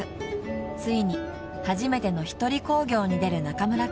［ついに初めての一人興行に出る中村君］